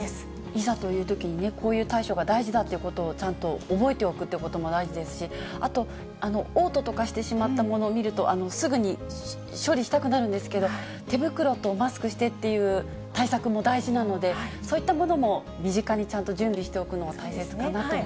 いざというときにね、こういう対処が大事だということをちゃんと覚えておくということも大事ですし、あと、おう吐とかしてしまったものを見るとすぐに処理したくなるんですけど、手袋とマスクしてっていう対策も大事なので、そういったものも身近にちゃんと準備しておくのは大切かなと思い